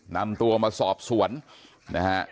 นำตัวมาสอบสวนนะฮะ